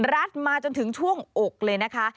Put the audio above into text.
มาจนถึงช่วงอกเลยนะคะ